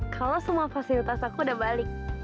kalau semua fasilitas aku udah balik